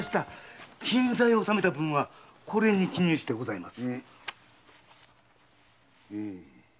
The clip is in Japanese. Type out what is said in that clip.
金座へ納めた分はこれに記入してございます。